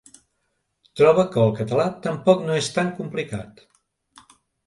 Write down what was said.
Troba que el català tampoc no és tan complicat.